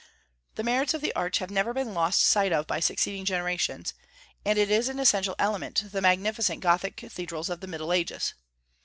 The merits of the arch have never been lost sight of by succeeding generations, and it is an essential element in the magnificent Gothic cathedrals of the Middle Ages.